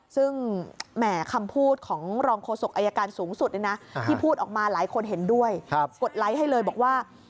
ซึ่งแหมคำพูดของรองโฆษกอายการสูงสุดที่พูดออกมาหลายคนเห็นด้วยกดไลค์ให้เลยบอกว่า